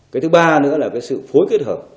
cái thứ ba nữa là cái sự phối kết hợp